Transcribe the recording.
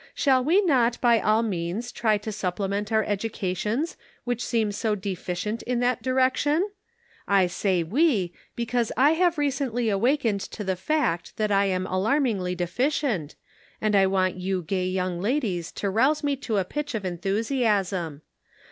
Shall we not by .all means try to sup plement our educations which seem so deficient in that direction ? I say ' we,' because I have recently awakened to the fact that I am alarm ingly deficient, and I want you gay young ladies to rouse me to a pitch of enthusiasm.